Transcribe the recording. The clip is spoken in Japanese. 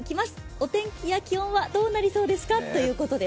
お天気や気温はどうなりそうですかということです。